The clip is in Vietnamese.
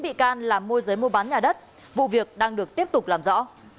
bốn bị can là môi giới mua bán nhà đất vụ việc đang được tiếp tục làm rõ